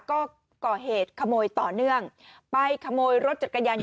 ก็ก่อเหตุขโมยต่อเนื่องไปขโมยรถจักรยานยน